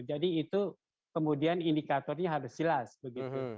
jadi itu kemudian indikatornya harus jelas begitu